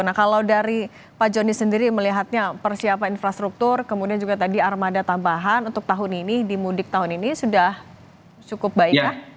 nah kalau dari pak joni sendiri melihatnya persiapan infrastruktur kemudian juga tadi armada tambahan untuk tahun ini di mudik tahun ini sudah cukup baik ya